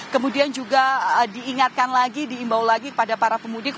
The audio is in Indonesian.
kemudian juga diingatkan lagi diimbau lagi kepada para pemudik